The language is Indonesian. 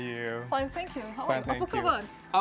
baik terima kasih apa kabar